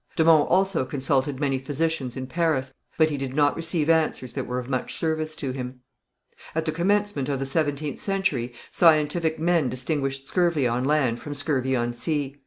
De Monts also consulted many physicians in Paris, but he did not receive answers that were of much service to him. At the commencement of the seventeenth century scientific men distinguished scurvy on land from scurvy on sea.